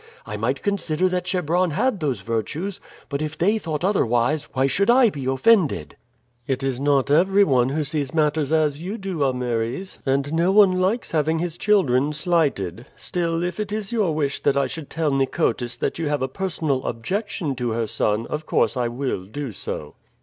I might consider that Chebron had those virtues, but if they thought otherwise why should I be offended?" "It is not everyone who sees matters as you do, Ameres, and no one likes having his children slighted. Still, if it is your wish that I should tell Nicotis that you have a personal objection to her son, of course I will do so."